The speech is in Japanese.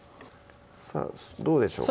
さぁどうでしょうか